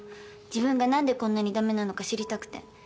自分が何でこんなに駄目なのか知りたくて。